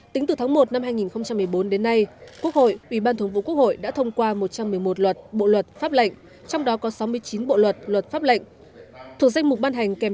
tính từ tháng một năm hai nghìn một mươi bốn đến nay quốc hội ủy ban thủng vụ quốc hội đã thông qua một trăm một mươi một luật bộ luật pháp lệnh